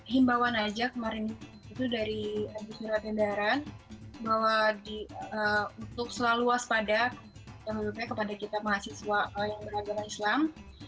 himbawan aja kemarin itu dari anggisura tendaran bahwa untuk selalu waspada kepada kita mahasiswa yang beragama islam